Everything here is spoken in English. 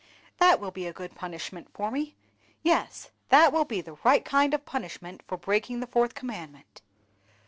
That will be a good punishment for me; yes, that will be the right kind of punishment for breaking the Fourth Commandment."